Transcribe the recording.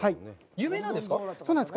有名なんですか？